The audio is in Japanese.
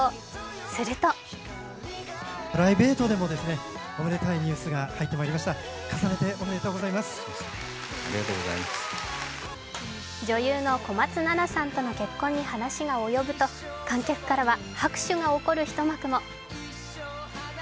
すると女優の小松菜奈さんとの結婚の話が及ぶと観客から拍手が起こる場面も。